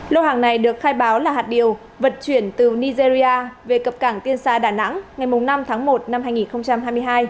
lô hàng này được khai báo là hạt điều vận chuyển từ nigeria về cập cảng tiên sa đà nẵng ngày năm tháng một năm hai nghìn hai mươi hai